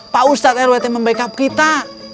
pak ustadz rwt membackup kita